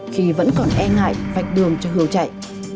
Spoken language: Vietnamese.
khi vẫn còn e ngại vạch đường cho hường chạy